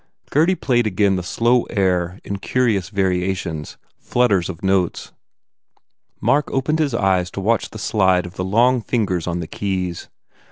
Gurdy played again the slow air in curious variations, flutters of notes. Mark opened his eyes to watch the slide of the long fingers on the keys.